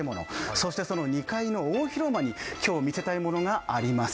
そしてその２階の大広間に今日見せたいものがあります。